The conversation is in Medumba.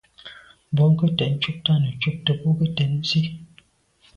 Bwɔ́ŋkə́’ cɛ̌d cúptə́ â nə̀ cúptə́ bú gə́ tɛ̌n zí.